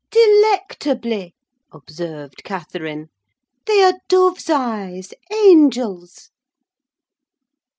"Delectably!" observed Catherine. "They are dove's eyes—angel's!"